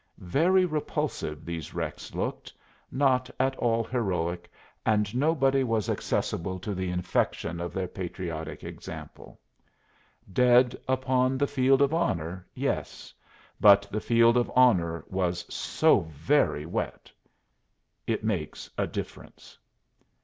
Very repulsive these wrecks looked not at all heroic, and nobody was accessible to the infection of their patriotic example. Dead upon the field of honor, yes; but the field of honor was so very wet! It makes a difference.